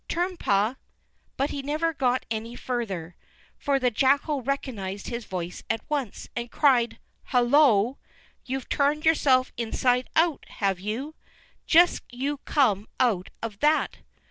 Tum pa——" But he never got any farther, for the jackal recognized his voice at once, and cried: "Hullo! you've turned yourself inside out, have you? Just you come out of that!"